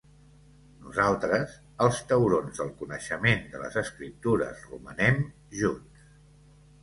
Nosaltres, els taurons del coneixement de les Escriptures romanem junts.